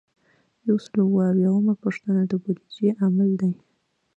یو سل او اووه اویایمه پوښتنه د بودیجې عامل دی.